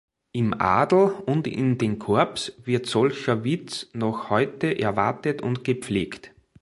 Im Adel und in den Corps wird solcher Witz noch heute erwartet und gepflegt.